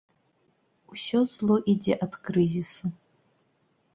Усё зло ідзе ад крызісу!